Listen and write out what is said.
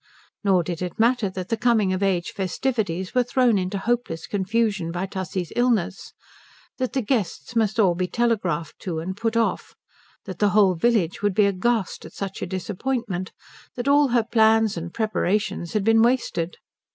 Nor did it matter that the coming of age festivities were thrown into hopeless confusion by Tussie's illness, that the guests must all be telegraphed to and put off, that the whole village would be aghast at such a disappointment, that all her plans and preparations had been wasted.